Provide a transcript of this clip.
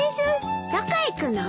どこ行くの？